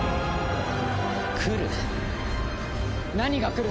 来る？